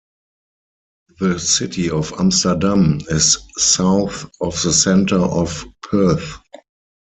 The city of Amsterdam is south of the center of Perth.